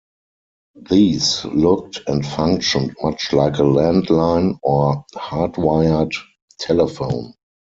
These looked and functioned much like a landline, or hardwired, telephone.